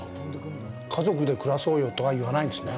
家族で暮らそうよとは言わないんですね。